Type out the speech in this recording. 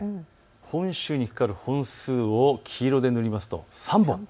本州にかかる本数を黄色で塗りますと３本。